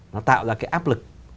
nó tạo ra cái áp lực